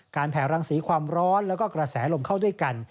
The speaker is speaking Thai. แผ่รังสีความร้อนแล้วก็กระแสลมเข้าด้วยกัน